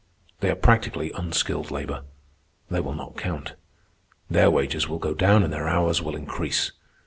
They are practically unskilled labor. They will not count. Their wages will go down and their hours will increase.